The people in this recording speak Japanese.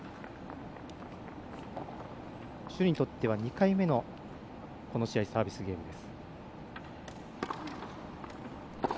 朱にとっては２回目のこの試合サービスゲームです。